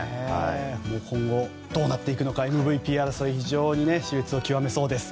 今後どうなっていくかＭＶＰ争いも非常に熾烈を極めそうです。